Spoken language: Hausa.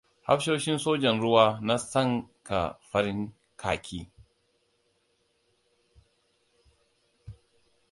Hafsoshin sojan ruwa na sanka farin khaki.